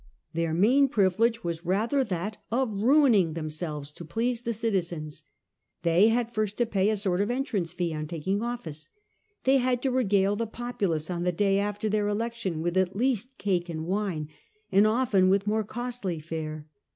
Their main privilege was rather that of ruining themselves to please the citizens. They had first to pay a sort of entrance fee on taking office; they had to regale the populace on the day after their election with at least cake and wine, and often with more costly fare.